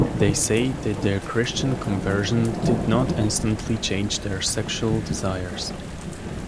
They say that their Christian conversion did not instantly change their sexual desires.